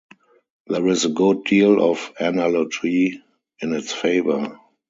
There is a good deal of analogy in its favor.